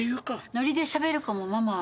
ノリでしゃべる子もママは嫌い。